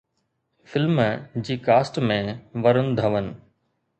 film جي cast ۾ Varun ڌون